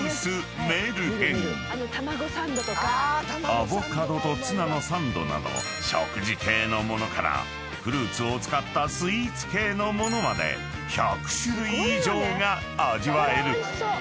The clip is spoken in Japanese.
［アボカドとツナのサンドなど食事系の物からフルーツを使ったスイーツ系の物まで１００種類以上が味わえる］